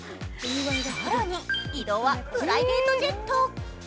更に、移動はプライベートジェット。